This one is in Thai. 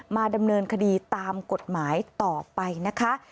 มาดำเนินคดีตามกฎหมายต่อไปนะคะ